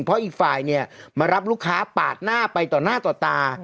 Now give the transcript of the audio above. เพราะอีกฝ่ายเนี่ยมารับลูกค้าปาดหน้าไปต่อหน้าต่อตา